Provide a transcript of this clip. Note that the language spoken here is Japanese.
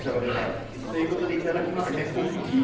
ということで頂きますね。